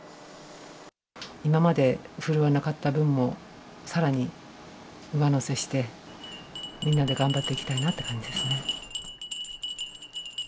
今まで振るわなかった分も、さらに上乗せして、みんなで頑張っていきたいなって感じですね。